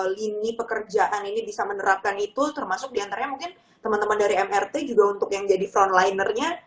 lini pekerjaan ini bisa menerapkan itu termasuk diantaranya mungkin teman teman dari mrt juga untuk yang jadi frontlinernya